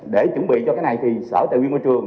để chuẩn bị cho cái này thì sở tài nguyên môi trường